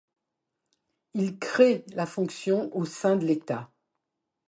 Il crée la fonction au sein de l’État.